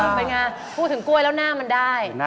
เป็นไงพูดถึงกล้วยแล้วหน้ามันได้